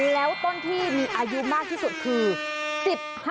แล้วต้นที่มีอายุมากที่สุดคือ๑๕